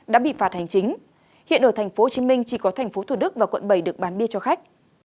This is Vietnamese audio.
đã bị phạt hành chính hiện ở tp hcm chỉ có tp thủ đức và quận bảy được bán bia cho khách